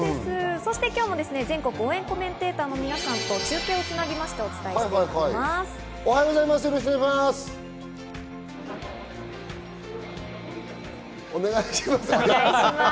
そして今日も全国応援コメンテーターの皆さんと中継をつなぎましおはようございます。